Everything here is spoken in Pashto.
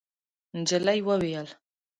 نجلۍ وویل: